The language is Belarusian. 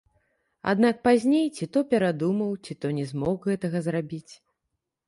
Аднак пазней ці то перадумаў, ці то не змог гэтага зрабіць.